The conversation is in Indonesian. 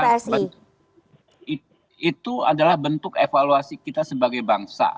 karena itu adalah bentuk evaluasi kita sebagai bangsa